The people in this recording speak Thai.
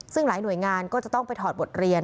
ซึ่งหลายหน่วยงานก็จะต้องไปถอดบทเรียน